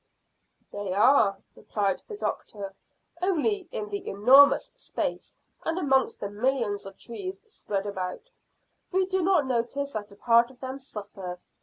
"They are," replied the doctor; "only in the enormous space and amongst the millions of trees spread about, we do not notice that a part of them suffer.